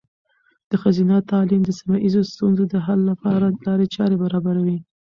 د ښځینه تعلیم د سیمه ایزې ستونزو د حل لپاره لارې چارې برابروي.